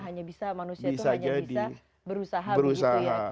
hanya bisa manusia itu hanya bisa berusaha begitu ya